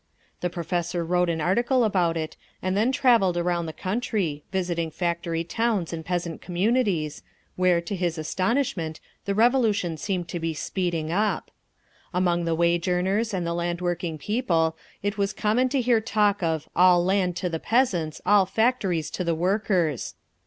The Professor wrote an article about it, and then travelled around the country, visiting factory towns and peasant communities—where, to his astonishment, the Revolution seemed to be speeding up. Among the wage earners and the land working people it was common to hear talk of "all land to the peasants, all factories to the workers."